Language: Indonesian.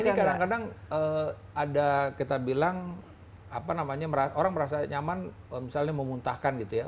ini kadang kadang ada kita bilang apa namanya orang merasa nyaman misalnya memuntahkan gitu ya